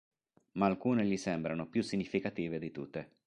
Ma alcune gli sembrano più significative di tutte.